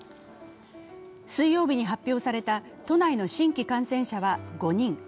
水曜日に発表された都内の新規感染者は５人。